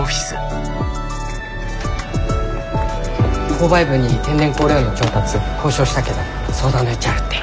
購買部に天然香料の調達交渉したけど相談の余地あるって。